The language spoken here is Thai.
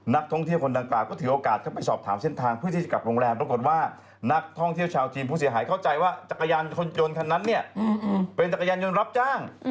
นักท่องเที่ยวคนดังกล่าก็ถือโอกาสเข้าไปสอบถามเส้นทางเพื่อที่จะกลับโรงแรมปรากฏว่านักท่องเที่ยวชาวจีนผู้เสียหายเข้าใจว่าจักรยานยนต์คันนั้นเนี่ยเป็นจักรยานยนต์รับจ้าง